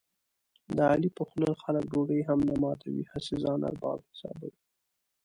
د علي په خوله خلک ډوډۍ هم نه ماتوي، هسې ځان ارباب حسابوي.